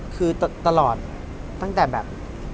คือตลอดตั้งแต่แบบ